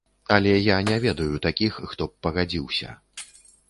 Але я не ведаю такіх, хто б пагадзіўся.